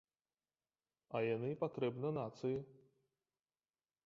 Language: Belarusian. А яны патрэбна нацыі.